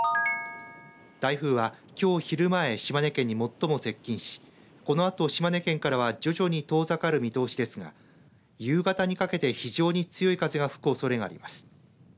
台風は、きょう昼前島根県に最も接近しこのあと、島根県からは徐々に遠ざかる見通しですが夕方にかけて非常に強い風が吹くおそれがあります。